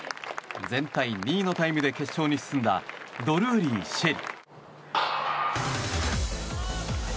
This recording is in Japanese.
全体２位のタイムで決勝に進んだドルーリー朱瑛里。